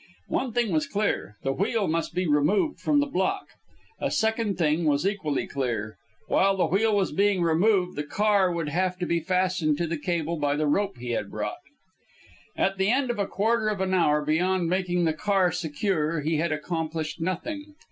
One thing was clear the wheel must be removed from the block. A second thing was equally clear while the wheel was being removed the car would have to be fastened to the cable by the rope he had brought. At the end of a quarter of an hour, beyond making the car secure, he had accomplished nothing.